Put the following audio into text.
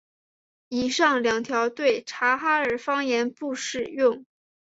以上两条对察哈尔方言不适用。